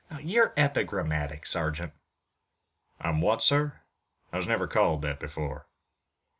"You're epigrammatic, sergeant." "I'm what, sir? I was never called that before."